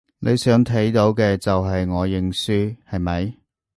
你想睇到嘅就係我認輸，係咪？